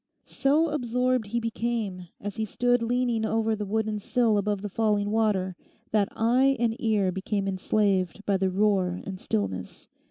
So absorbed he became as he stood leaning over the wooden sill above the falling water, that eye and ear became enslaved by the roar and stillness.